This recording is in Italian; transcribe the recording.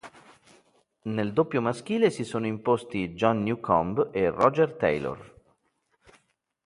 Nel doppio maschile si sono imposti John Newcombe e Roger Taylor.